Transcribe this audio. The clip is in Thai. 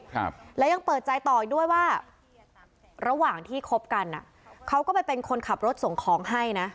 ครับและยังเปิดใจต่ออีกด้วยว่าระหว่างที่คบกันอ่ะเขาก็ไปเป็นคนขับรถส่งของให้นะ